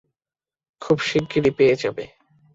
খুব শিগগিরই পেয়ে যাবে।